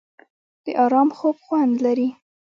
د ارام خوب خوند لري.